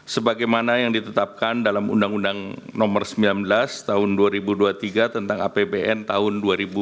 sebagaimana yang ditetapkan dalam undang undang nomor sembilan belas tahun dua ribu dua puluh tiga tentang apbn tahun dua ribu dua puluh